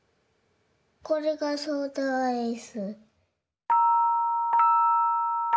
これがソーダアイス。